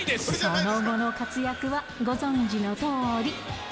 その後の活躍はご存じのとおり。